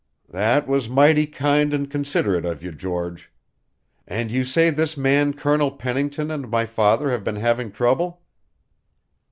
"That was mighty kind and considerate of you, George. And you say this man Colonel Pennington and my father have been having trouble?"